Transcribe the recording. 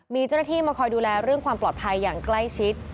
มีเจ้าหน้าที่มาคอยดูแลเรื่องความปลอดภัยอย่างใกล้ชิด